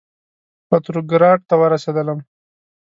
پتروګراډ ته ورسېدلم.